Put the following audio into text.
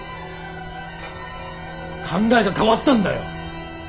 考えが変わったんだよ。